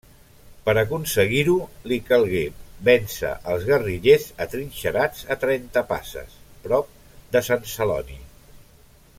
Per aconseguir-ho li calgué vèncer als guerrillers atrinxerats a Trentapasses, prop de Sant Celoni.